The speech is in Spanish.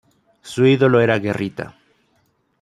Su ídolo era Guerrita.